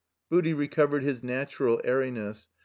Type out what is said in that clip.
Booty recovered his natural airiness.